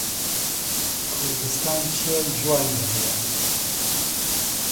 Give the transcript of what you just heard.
کوردستان چیای جوانی هەیە.